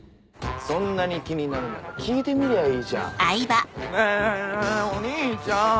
そんなに気になるなら聞いてみりゃいいじゃん。ねぇお兄ちゃん！